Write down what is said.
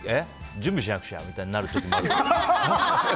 準備しなくちゃみたいになる時もある。